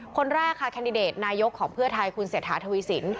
คนแรกค่ะแคนดิเดตนายกของเพื่อไทยคุณเศรษฐาทวีสิน